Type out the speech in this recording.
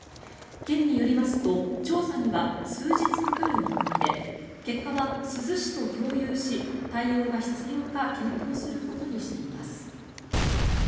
県によりますと調査には数日かかる見込みで結果は珠洲市と共有し対応が必要か検討することにしています。